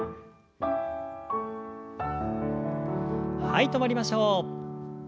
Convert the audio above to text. はい止まりましょう。